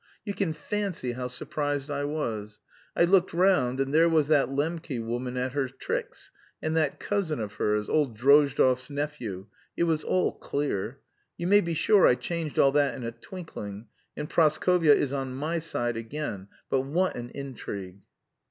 You can fancy how surprised I was. I looked round, and there was that Lembke woman at her tricks, and that cousin of hers old Drozdov's nephew it was all clear. You may be sure I changed all that in a twinkling, and Praskovya is on my side again, but what an intrigue!"